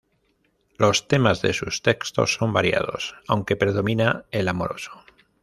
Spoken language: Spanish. Los temas de sus textos son variados, aunque predomina el amoroso.